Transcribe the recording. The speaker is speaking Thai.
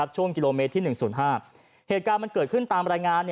ช่วงกิโลเมตรที่๑๐๕เหตุการณ์มันเกิดขึ้นตามรายงาน